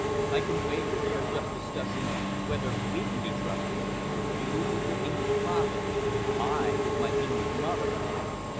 I can wager they are just discussing whether we can be trusted you, with your English father, I, with my English mother."